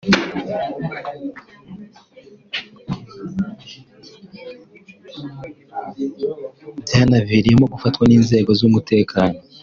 byanaviriyemo gufatwa n’inzego z’umutekano